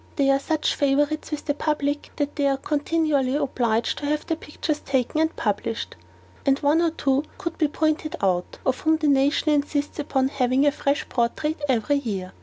They are such favourites with the public, that they are continually obliged to have their pictures taken and published; and one or two could be pointed out, of whom the nation insists upon having a fresh portrait every year.